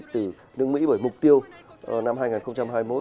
từ đương mỹ bởi mục tiêu năm hai nghìn hai mươi một